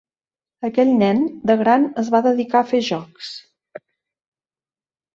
Aquell nen de gran es va dedicar a fer jocs.